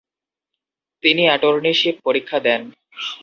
তিনি অ্যাটর্নীশিপ পরীক্ষা দেন।